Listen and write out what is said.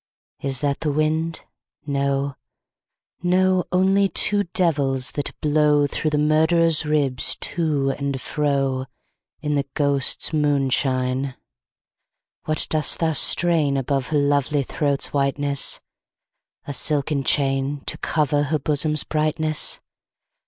Is that the wind ? No, no ; Only two devils, that blow Through the murderer's ribs to and fro. In the ghosts' moi^ishine. THE GHOSTS* MOONSHINE, 39 III. What dost thou strain above her Lovely throat's whiteness ? A silken chain, to cover Her bosom's brightness